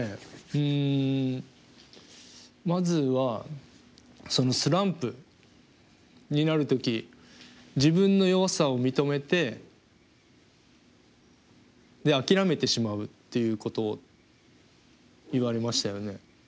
うんまずはそのスランプになる時自分の弱さを認めて諦めてしまうっていうことを言われましたよね？